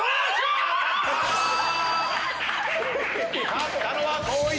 勝ったのは光一！